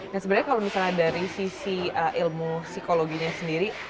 nah sebenarnya kalau misalnya dari sisi ilmu psikologinya sendiri